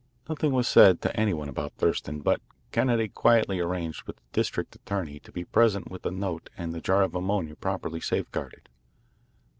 Nothing was said to any one about Thurston, but Kennedy quietly arranged with the district attorney to be present with the note and the jar of ammonia properly safeguarded.